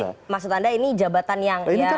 jadi maksud anda ini jabatan yang yaudah lah gitu